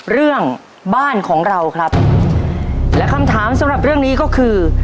เรื่องบ้านของเราครับและคำถามสำหรับเรื่องนี้ก็คือ